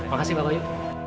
makasih pak bayu